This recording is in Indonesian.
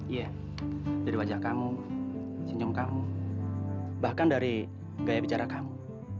iya dari wajah kamu senyum kamu bahkan dari gaya bicara kamu